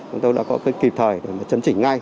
chúng tôi đã có kịp thời để chấn chỉnh ngay